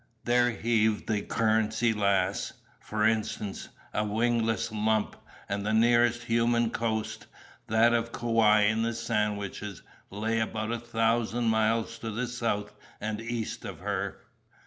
There heaved the Currency Lass, for instance, a wingless lump, and the nearest human coast (that of Kauai in the Sandwiches) lay about a thousand miles to south and east of her.